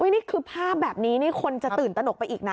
นี่คือภาพแบบนี้นี่คนจะตื่นตนกไปอีกนะ